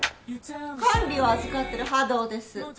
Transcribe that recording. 管理を預かってる波藤です。